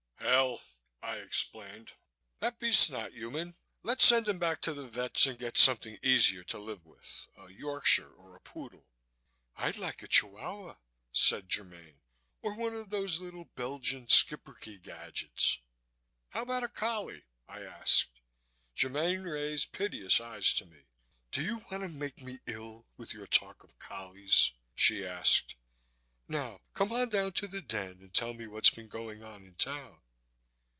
"Hell!" I explained, "that beast's not human. Let's send him back to the vet's and get something easier to live with a Yorkshire or a poodle." "I'd like a Chihuahua," said Germaine, "or one of those little Belgian Schipperke gadgets." "How about a collie?" I asked. Germaine raised piteous eyes to me. "Do you want to make me ill, with your talk of collies?" she asked. "Now come on down to the den and tell me what's been going on in town."